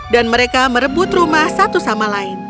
dan mereka merebut rumah satu sama lain